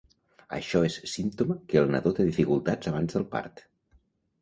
Això és símptoma que el nadó té dificultats abans del part.